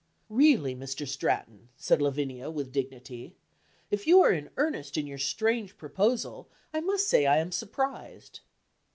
"Really, Mr. Stratton," said Lavinia, with dignity, "if you are in earnest in your strange proposal, I must say I am surprised."